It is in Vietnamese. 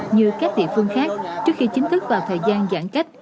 như các địa phương khác trước khi chính thức vào thời gian giãn cách